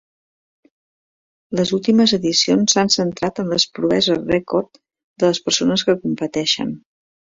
Les últimes edicions s'han centrat en les proeses rècord de les persones que competeixen.